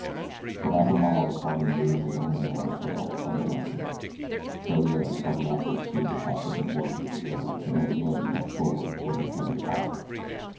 For half a mile the party moved along the narrow trail unmolested. Theriere had come back to exchange a half dozen words with the girl and had again moved forward toward the head of the column.